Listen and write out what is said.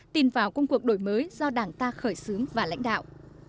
tin vào công cuộc đổi mới do đảng ta khởi xướng và lãnh đạo